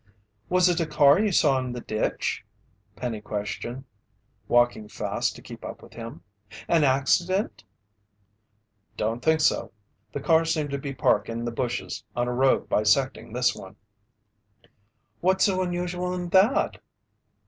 "Was it a car you saw in the ditch?" Penny questioned, walking fast to keep up with him. "An accident?" "Don't think so. The car seemed to be parked back in the bushes on a road bisecting this one." "What's so unusual in that?"